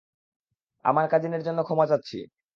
আমার কাজিনের জন্য ক্ষমা চাচ্ছি।